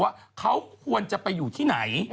ว่าเขาควรจะไปอยู่ที่ไหน